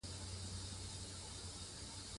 افغاني زلمیان سرونه پر میدان ږدي.